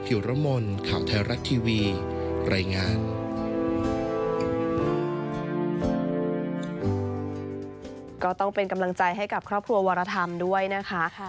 ก็ต้องเป็นกำลังใจให้กับครอบครัววรธรรมด้วยนะคะ